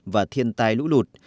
và thiên tai lũ lụt